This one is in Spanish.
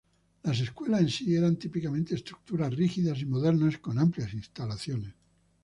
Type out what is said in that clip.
Las escuelas en sí eran típicamente estructuras rígidas y modernas con amplias instalaciones.